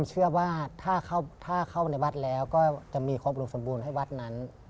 เชื่อว่าถ้าเข้าในวัดแล้วก็จะมีความรู้สมบูรณ์ให้วัดนั้น